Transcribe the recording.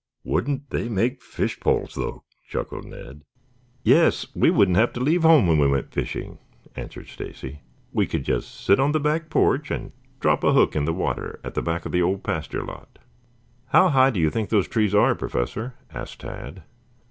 "Wouldn't they make fish poles, though?" chuckled Ned. "Yes, we wouldn't have to leave home when we went fishing," answered Stacy. "We could just sit on the back porch and drop a hook in the water at the back of the old pasture lot." "How high do you think those trees are, Professor?" asked Tad.